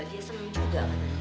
dia seneng juga katanya